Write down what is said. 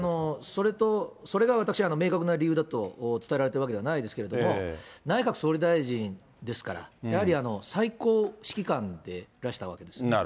それと、それが私、明確な理由だと伝えられているわけではないですけれども、内閣総理大臣ですから、やはり最高指揮官でらしたわけです。